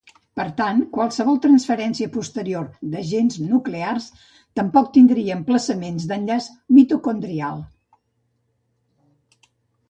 Per tant, qualsevol transferència posterior de gens nuclears tampoc tindria emplaçaments d'enllaç mitocondrial.